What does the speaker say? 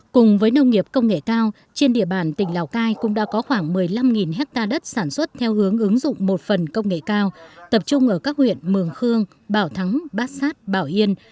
cùng với nông nghiệp công nghệ cao trên địa bàn tỉnh lào cai cũng đã có khoảng một mươi năm hectare đất sản xuất theo hướng ứng dụng một phần công nghệ cao tập trung ở các huyện mường khương bảo thắng bát sát bảo yên